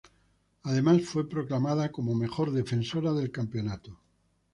Además, fue proclamada como mejor defensora del campeonato.